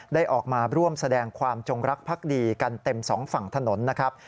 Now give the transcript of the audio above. ได้ออกมาร่วมแสดงความจงรักพักดีกันเต็มสองฝั่งถนนนะครับ